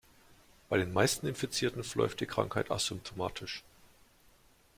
Bei den meisten Infizierten verläuft die Krankheit asymptomatisch.